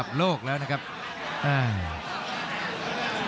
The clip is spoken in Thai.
คมทุกลูกจริงครับโอ้โห